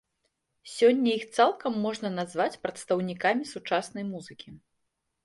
Сёння іх цалкам можна назваць прадстаўнікамі сучаснай музыкі.